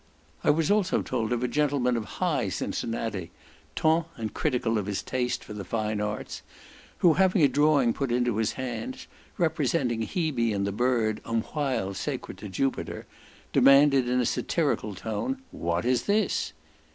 I was also told of a gentleman of High Cincinnati, TON and critical of his taste for the fine arts, who, having a drawing put into his hands, representing Hebe and the bird, umquhile sacred to Jupiter, demanded in a satirical tone, "What is this?"